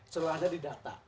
celahnya di data